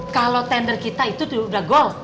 kalau tender kita itu udah gold